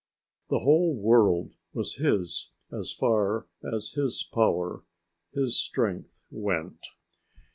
The whole world was his as far as his power, his strength, went.